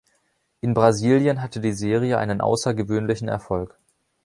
In Brasilien hatte die Serie einen außergewöhnlichen Erfolg.